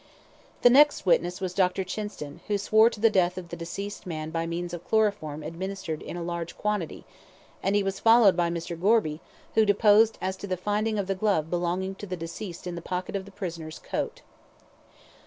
The next witness was Dr. Chinston, who swore to the death of the deceased by means of chloroform administered in a large quantity, and he was followed by Mr. Gorby, who deposed as to the finding of the glove belonging to the deceased in the pocket of the prisoner's coat.